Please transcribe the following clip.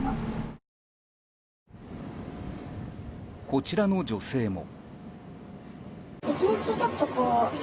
こちらの女性も。